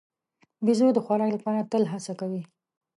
بیزو د خوراک لپاره تل هڅه کوي.